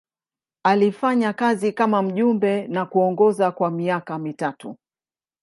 Alifanya kazi kama mjumbe na kuongoza kwa miaka mitatu.